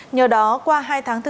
nhờ đó qua hai tháng thực hiện